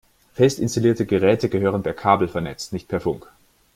Fest installierte Geräte gehören per Kabel vernetzt, nicht per Funk.